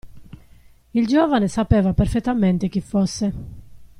Il giovane sapeva perfettamente chi fosse.